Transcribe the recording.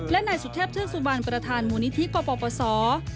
และนายสุเทพธิสุบาลประธานมูลนิธิกลบประสอบ